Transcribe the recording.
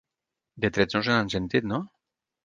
De trets no se n'han sentit, no?